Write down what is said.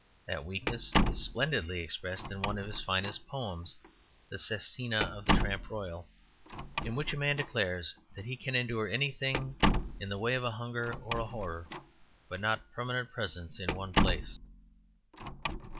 That weakness is splendidly expressed in one of his finest poems, "The Sestina of the Tramp Royal," in which a man declares that he can endure anything in the way of hunger or horror, but not permanent presence in one place.